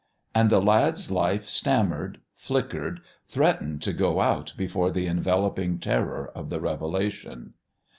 And the lad's life stammered, flickered, threatened to go out before the enveloping terror of the revelation.